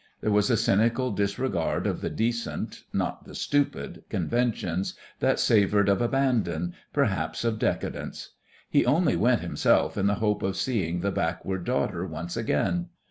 There was a cynical disregard of the decent (not the stupid) conventions that savoured of abandon, perhaps of decadence. He only went himself in the hope of seeing the backward daughter once again.